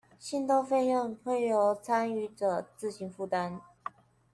信託費用會由參與者自行負擔